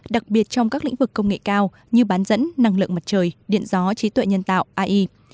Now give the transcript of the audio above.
đặc biệt trong các lĩnh vực công nghệ cao như bán dẫn năng lượng mặt trời điện gió trí tuệ nhân tạo ai